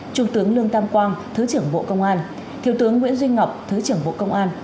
trung tướng lương tam quang thứ trưởng bộ công an thiếu tướng nguyễn duy ngọc thứ trưởng bộ công an